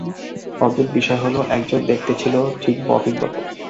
অদ্ভুত বিষয় হল, একজন দেখতে ছিল ঠিক ববির মতো।